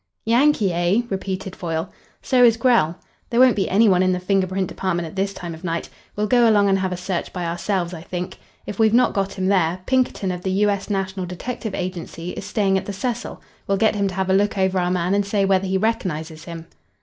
"Yankee, eh?" repeated Foyle. "So is Grell. There won't be any one in the finger print department at this time of night. We'll go along and have a search by ourselves, I think. If we've not got him there, Pinkerton of the U. S. National Detective Agency is staying at the Cecil. We'll get him to have a look over our man and say whether he recognises him."